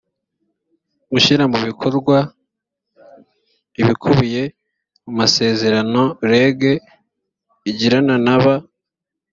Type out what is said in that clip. gushyira mu bikorwa ibikubiye mu masezerano reg igirana na ba